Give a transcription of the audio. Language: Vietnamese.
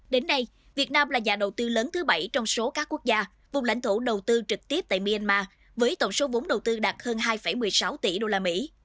đến nay việt nam là nhà đầu tư lớn thứ bảy trong số các quốc gia vùng lãnh thổ đầu tư trực tiếp tại myanmar với tổng số vốn đầu tư đạt hơn hai một mươi sáu tỷ đô la mỹ